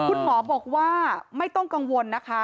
คุณหมอบอกว่าไม่ต้องกังวลนะคะ